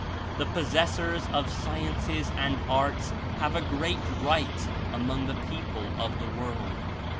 The possessors of sciences and arts have a great right among the people of the world.